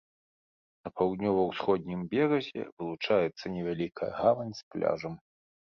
На паўднёва-ўсходнім беразе вылучаецца невялікая гавань з пляжам.